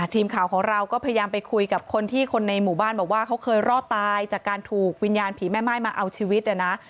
ทีมข่าวของเราก็พยายามไปคุยกับคนที่คนในหมู่บ้านบอกว่าเขาเคยรอดตายจากการถูกวิญญาณผีแม่ม่ายมาเอาชีวิตนะ